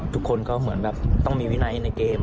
ทุกคนก็เหมือนแบบต้องมีวินัยในเกม